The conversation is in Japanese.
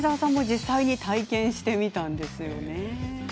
実際に体験もしてみたんですよね。